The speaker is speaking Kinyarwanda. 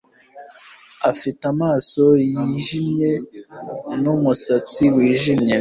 Afite amaso yijimye numusatsi wijimye